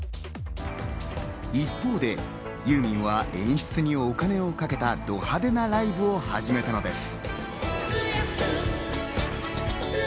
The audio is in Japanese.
一方でユーミンは演出にお金をかけたド派手なライブを始めたのです。